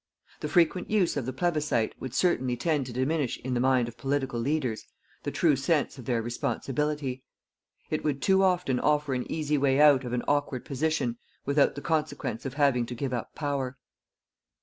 The frequent use of the plebiscit would certainly tend to diminish in the mind of political leaders the true sense of their responsibility. It would too often offer an easy way out of an awkward position without the consequence of having to give up power.